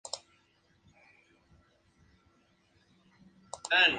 Es la secuela de "Destiny" y sus posteriores expansiones.